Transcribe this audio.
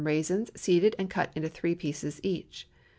raisins, seeded and cut in three pieces each.